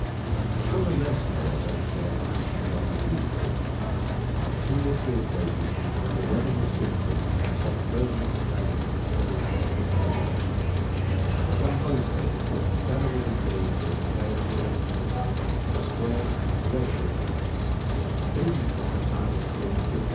For the rest, however, their life went on as usual. On two or three occasions when the weather was suitable some further experiments were carried out with the aerophone, but on most days Stella was engaged in preparing the Rectory, a square, red brick house, dating from the time of George III.